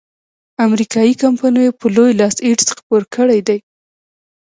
امریکایي کمپینو په لوی لاس ایډز خپور کړیدی.